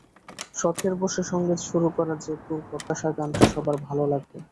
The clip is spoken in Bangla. শখের বশে সংগীত শুরু করা জ্যাকোর প্রত্যাশা, গানটি সবার ভালো লাগবে।